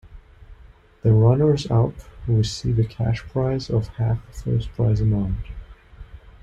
The runners up receive a cash prize of half the first prize amount.